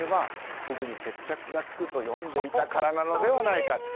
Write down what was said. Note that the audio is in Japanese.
すぐに決着がつくと読んでいたからなのではないか。